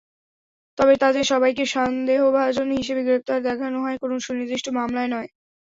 তবে তাঁদের সবাইকে সন্দেহভাজন হিসেবে গ্রেপ্তার দেখানো হয়, কোনো সুনির্দিষ্ট মামলায় নয়।